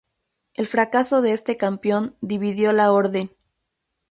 El fracaso de este campeón dividió la orden.